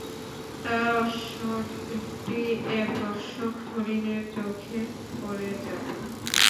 তার অশ্বটি এক দর্শক হরিণের চোখে পড়ে যায়।